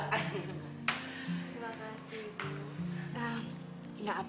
terima kasih bu